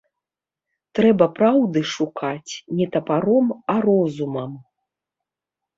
Трэба праўды шукаць не тапаром, а розумам.